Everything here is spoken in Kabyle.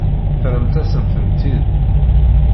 Terramt-asen-ten-id.